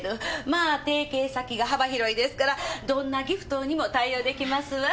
まあ提携先が幅広いですからどんなギフトにも対応できますわ。